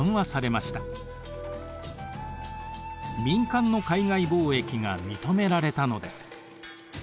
民間の海外貿易が認められたのです。